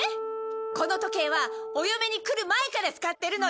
この時計はお嫁に来る前から使ってるのよ！